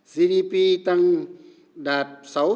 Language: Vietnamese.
gdp tăng đạt sáu tám mươi một